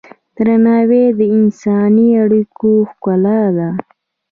درناوی د انساني اړیکو ښکلا ده.